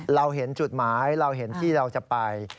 เราเห็นจุดหมายเราเห็นที่เราจะไป